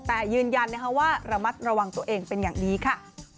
แต่ยืนยันนะคะว่าระมัดระวังตัวเองเป็นอย่างดีค่ะ